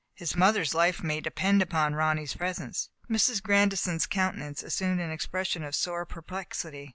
His mother's life may depend upon Ronny's presence." Mrs. Grandison's countenance assumed an ex pression of sore perplexity.